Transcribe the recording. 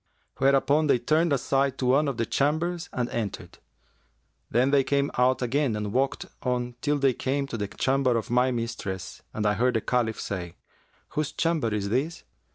Whereupon they turned aside to one of the chambers and entered. Then they came out again and walked on till they came to the chamber of my mistress and I heard the Caliph say, 'Whose chamber is this?'